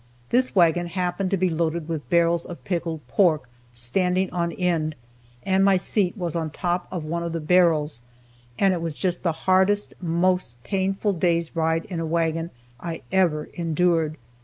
This wagon happened to be loaded with barrels of pickled pork, standing on end, and my seat was on top of one of the barrels, and it was just the hardest, most painful day's ride in a wagon I ever endured.